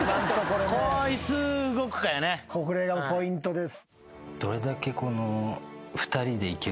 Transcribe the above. これがポイントです。